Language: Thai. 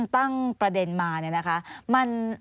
ตั้งประเด็นมาเนี่ยนะคะ